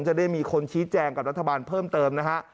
จะได้มีคนชี้แจงกับรัฐบาลเพิ่มเติมนะฮะ